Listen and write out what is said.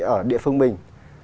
ở địa phương mình